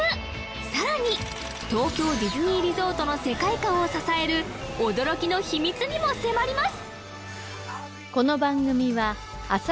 さらに東京ディズニーリゾートの世界観を支える驚きの秘密にも迫ります！